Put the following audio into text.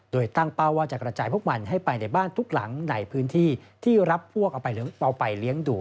โดยตั้งเป้าว่าจะกระจายพวกมันให้ไปในบ้านทุกหลังในพื้นที่ที่รับพวกเอาไปเลี้ยงดู